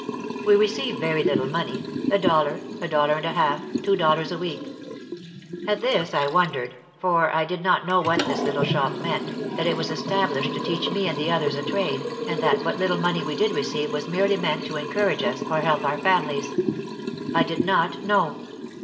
We received very little money, a dollar, a dollar and a half, two dollars a week. At this I wondered for I did not know what this little shop meant, that it was established to teach me and the others a trade, and that what little money we did receive was merely meant to encourage us, or help our families. I did not know.